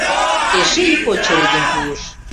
Эше ик очередьым пуыш.